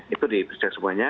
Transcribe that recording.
itu diperiksa semuanya